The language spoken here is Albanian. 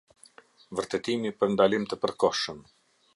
Vërtetimi për ndalim të përkohshëm.